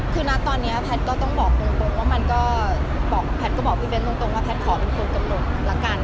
คือนะตอนนี้แพทย์ก็ต้องบอกตรงว่ามันก็บอกแพทย์ก็บอกพี่เบ้นตรงว่าแพทย์ขอเป็นคนกำหนดละกัน